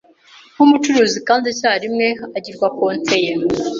nk'umucuruzi kandiicyarimwe agirwa Konseye